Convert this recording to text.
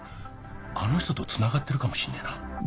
あの人とつながってるかもしんねえな。